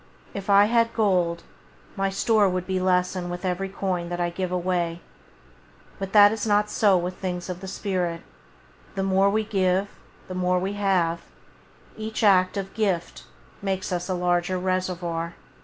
If I had gold, my store would lessen with every coin that I give away; but that is not so with things of the spirit; the more we give, the more we have; each act of gift makes us a larger reservoir.